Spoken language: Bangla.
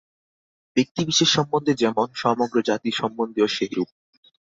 ব্যক্তিবিশেষ সম্বন্ধে যেমন, সমগ্র জাতি সম্বন্ধেও সেইরূপ।